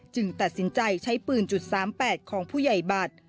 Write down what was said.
ตัดสินใจใช้ปืน๓๘ของผู้ใหญ่บัตร